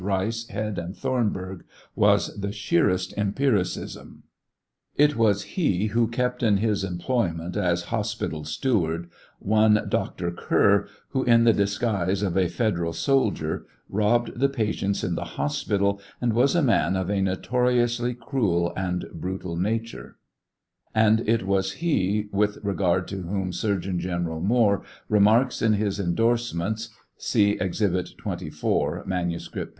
Rice, Head, and Thornburgh was the sheerest empiricism. It was he who kept in his employment as hospital steward, one Dr. Kerr, who in the disguise of a federal soldier robbed the patients in the hospital, and was a man of a notoriously cruel and brutal nature ; and it was he with regard to whom Surgeon General Moore remarks in his indorsements, (see Exhibit 24; manuscript, p.